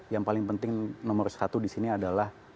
yang paling penting nomor satu disini adalah